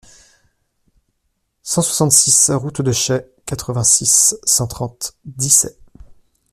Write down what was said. cent soixante-six route de Chaix, quatre-vingt-six, cent trente, Dissay